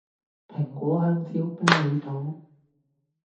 蘋果香蕉啤梨桃